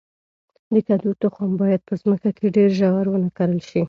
د کدو تخم باید په مځکه کې ډیر ژور ونه کرل شي.